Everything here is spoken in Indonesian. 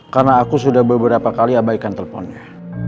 karena aku sudah beberapa kali abaikan teleponnya